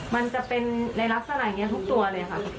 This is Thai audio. มันจะเป็นในลักษณะอย่างนี้ทุกตัวเลยค่ะ